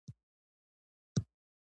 نورو کسانو ته سوغات ورکړ.